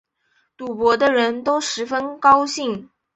赌博的人都十分高兴